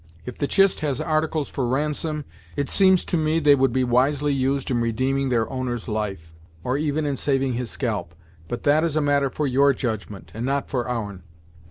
If the chist has articles for ransom, it seems to me they would be wisely used in redeeming their owner's life, or even in saving his scalp; but that is a matter for your judgment, and not for ourn.